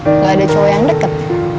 nggak ada cowok yang deket